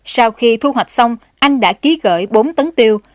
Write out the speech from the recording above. sau khi thu hoạch xong anh đã ký gửi bốn tấn tiêu